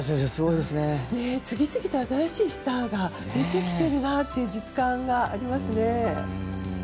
次々と新しいスターが出てきているなという実感がありますね。